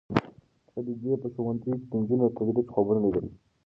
خدیجې په ښوونځي کې د نجونو د تدریس خوبونه لیدل.